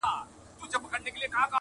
• خپل ګودر ورته عادت وي ورښودلی -